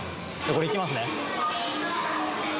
これいきますね！